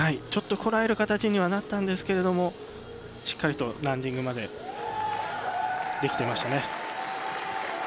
ちょっとこらえる形にはなったんですけどしっかりランディングまでできていましたね。